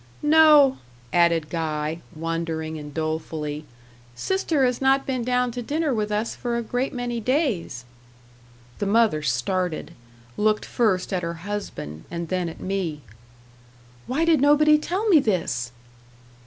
"No," added Guy, wondering and dolefully, "sister has not been down to dinner with us for a great many days." The mother started; looked first at her husband, and then at me. "Why did nobody tell me this?"